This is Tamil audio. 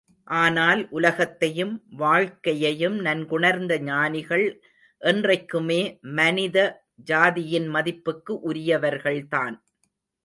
ஆனால், உலகத்தையும், வாழ்க்கையையும் நன்குணர்ந்த ஞானிகள், என்றைக்குமே மனித ஜாதியின் மதிப்புக்கு உரியவர்கள்தான்.